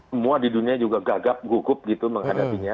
semua di dunia juga gagap gugup gitu menghadapinya